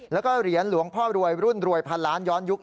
แล้วก็เหรียญหลวงพ่อรวยรุ่นรวยพันล้านย้อนยุค